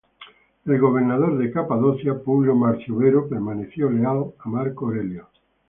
El gobernador de Capadocia, Publio Marcio Vero, permaneció leal a Marco Aurelio.